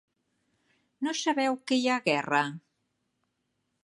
No sabeu que hi ha guerra?